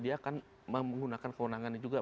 dia akan menggunakan kewenangannya juga